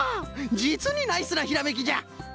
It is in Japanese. じつにナイスなひらめきじゃ！